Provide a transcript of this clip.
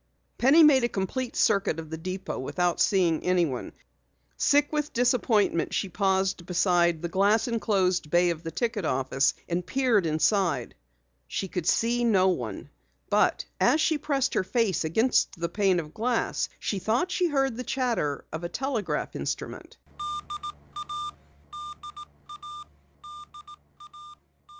Penny made a complete circuit of the depot without seeing anyone. Sick with disappointment, she paused beside the glass enclosed bay of the ticket office and peered inside. She could see no one. But as she pressed her face against the pane of glass she thought she heard the chatter of a telegraph instrument.